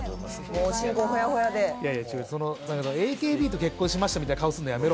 もう新婚ほやほやでＡＫＢと結婚しましたみたいな顔するのやめろ